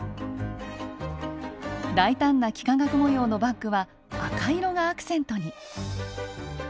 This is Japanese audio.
大胆な幾何学模様のバッグは赤色がアクセントに。